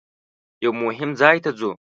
یوه مهم ځای ته ځو.